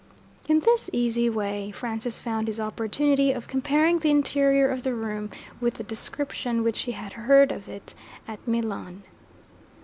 In this easy way, Francis found his opportunity of comparing the interior of the room with the description which he had heard of it at Milan.